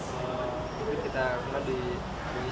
jadi kita kena diadui salah pelanggan